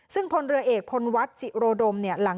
ซึ่งพลเรือเอกพลวัฒน์จิโรดม